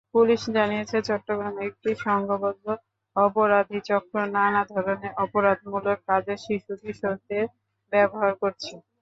Police জানিয়েছে, চট্টগ্রামে একটি সংঘবদ্ধ অপরাধীচক্র নানা ধরনের অপরাধমূলক কাজে শিশু-কিশোরদের ব্যবহার করছে।